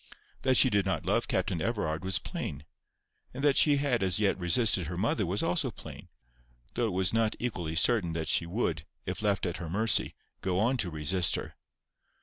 That she did not love Captain Everard was plain, and that she had as yet resisted her mother was also plain, though it was not equally certain that she would, if left at her mercy, go on to resist her.